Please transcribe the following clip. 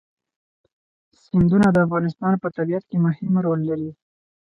سیندونه د افغانستان په طبیعت کې مهم رول لري.